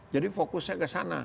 jadi fokusnya kesana